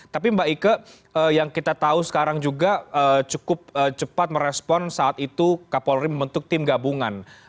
tapi mbak ike yang kita tahu sekarang juga cukup cepat merespon saat itu kapolri membentuk tim gabungan